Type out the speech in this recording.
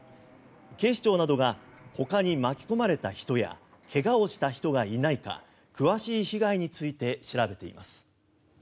警視庁などがほかに巻き込まれた人や怪我をした人がいないか詳しい被害について調べています。